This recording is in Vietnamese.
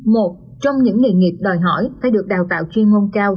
một trong những nghề nghiệp đòi hỏi phải được đào tạo chuyên môn cao